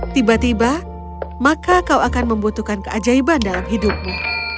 tiba tiba maka kau akan membutuhkan keajaiban dalam hidupmu